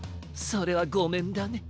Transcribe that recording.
それはごめんだね。